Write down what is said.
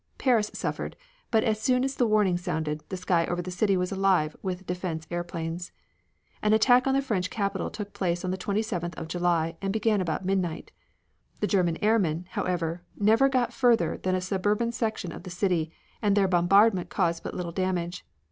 Paris suffered, but as soon as the warning sounded, the sky over the city was alive with defense airplanes. An attack on the French capital took place on the 27th of July and began about midnight. The German airmen, however, never got further than a suburban section of the city, and their bombardment caused but little damage.